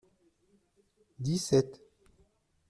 Dix-sept.